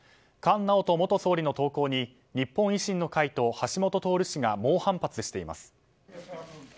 菅直人元総理の投稿に日本維新の会と橋下徹氏が猛反発しています。